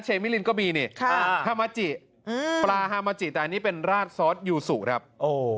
เชมิรินก็มีค่ะนะปลาฮาแต่อันนี้เป็นลาดซอสยูสุนะครับโอ้